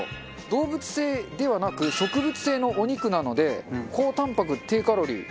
動物性ではなく植物性のお肉なので高たんぱく低カロリー。